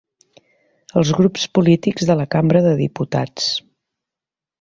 Els grups polítics de la cambra de diputats.